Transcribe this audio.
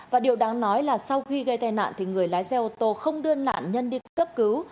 và điều đáng nói là sau khi gây tai nạn thì người lái xe ô tô không đưa nạn nhân đi cấp cứu